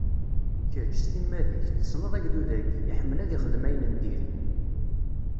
Kečč, s timmad-ik, tessneḍ agdud-agi, iḥemmel ad ixdem ayen n diri.